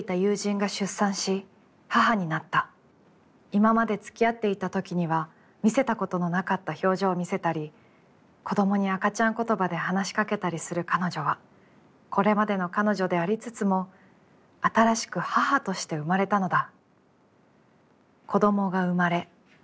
今までつきあっていたときには見せたことのなかった表情を見せたり、子どもに赤ちゃん言葉で話しかけたりする彼女は、これまでの彼女でありつつも、新しく母として生まれたのだ」。